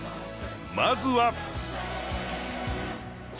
まずは。